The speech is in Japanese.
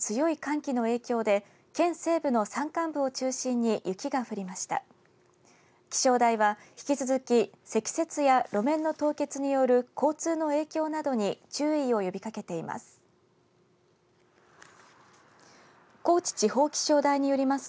気象台は引き続き積雪や路面の凍結による交通の影響などに注意を呼びかけています。